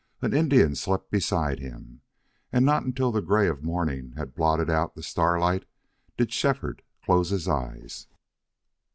An Indian slept beside him. And not until the gray of morning had blotted out the starlight did Shefford close his eyes.